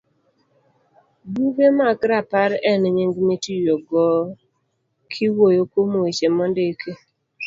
Buge mag Rapar en nying mitiyogo kiwuoyo kuom weche mondiki